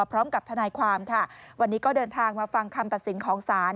พร้อมกับทนายความค่ะวันนี้ก็เดินทางมาฟังคำตัดสินของศาล